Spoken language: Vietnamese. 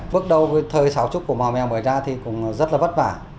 bước đầu thời sáo trúc của mã mèo mới ra thì cũng rất là vất vả